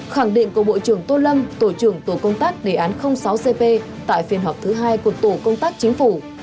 khẳng định của bộ trưởng tô lâm tổ trưởng tổ công tác đề án sáu cp tại phiên họp thứ hai của tổ công tác chính phủ